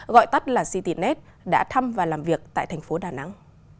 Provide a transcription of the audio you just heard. gọi tắt là citynet đã thăm và làm việc tại thành phố đà nẵng